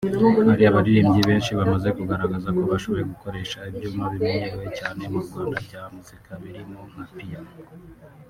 Hari abaririmbyi benshi bamaze kugaragaza ko bashoboye gukoresha ibyuma bimenyerewe cyane mu Rwanda bya muzika birimo nka Piano